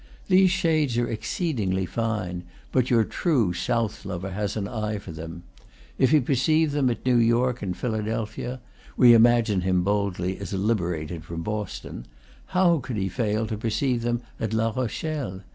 These shades are exceedingly fine, but your true south lover has an eye for them all. If he perceive them at New York and Philadelphia, we imagine him boldly as liberated from Boston, how could he fail to perceive them at La Rochelle?